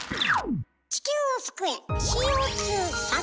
地球を救え！